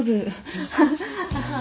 ハハハハ。